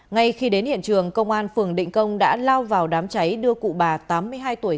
ngay khi đến hiện trường công an phường định công đã lao vào đám cháy đưa cụ bà tám mươi hai tuổi